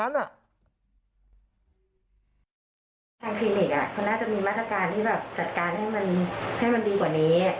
ทางคลินิกเขาน่าจะมีมาตรการที่แบบจัดการให้มันดีกว่านี้